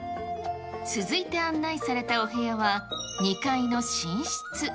続いて案内されたお部屋は、２階の寝室。